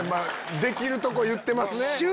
できるとこ言ってますね！